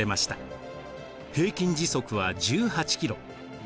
平均時速は１８キロ。